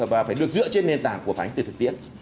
và phải được dựa trên nền tảng của ánh từ thực tiễn